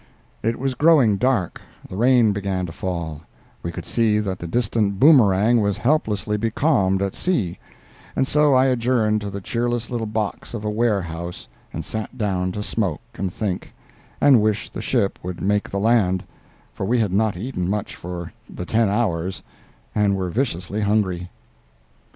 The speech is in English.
It was growing dark, the rain began to fall, we could see that the distant Boomerang was helplessly becalmed at sea, and so I adjourned to the cheerless little box of a warehouse and sat down to smoke and think, and wish the ship would make the land—for we had not eaten much for the ten hours and were viciously hungry.